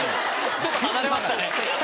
ちょっと離れましたね。